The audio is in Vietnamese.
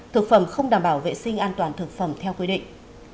thực phẩm không đảm bảo vệ sinh an toàn thực phẩm theo quy định